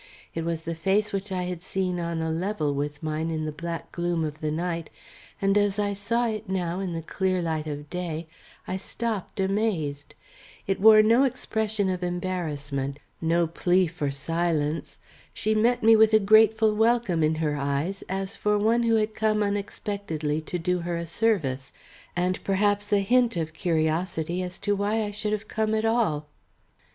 It was the face which I had seen on a level with mine in the black gloom of the night, and as I saw it now in the clear light of day, I stopped amazed. It wore no expression of embarrassment, no plea for silence. She met me with a grateful welcome in her eyes as for one who had come unexpectedly to do her a service, and perhaps a hint of curiosity as to why I should have come at all.